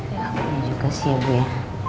ya boleh juga sih ya bu ya